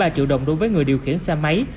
ba triệu đồng đối với người điều khiển xe máy